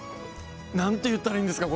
なんて言ったらいいんですか？